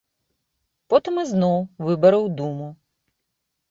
Потым ізноў выбары ў думу.